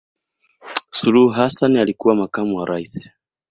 suluhu hassan alikuwa makamu wa raisi